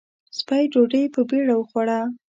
سپۍ ډوډۍ په بېړه وخوړه.